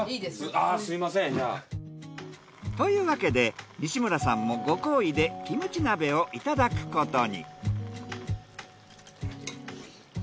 あぁすみませんじゃあ。というわけで西村さんもご厚意でキムチ鍋をいただくことに。